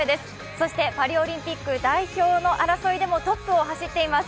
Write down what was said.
そしてパリオリンピック代表の争いでもトップを走っています。